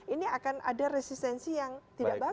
ini akan ada resistensi yang tidak bagus